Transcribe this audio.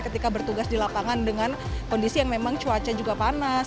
ketika bertugas di lapangan dengan kondisi yang memang cuaca juga panas